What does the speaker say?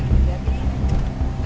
tapi mudah mudahan kita